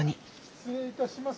失礼いたします。